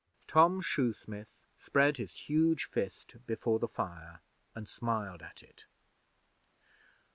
Tom Shoesmith spread his huge fist before the fire and smiled at it.